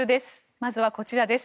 まずはこちらです。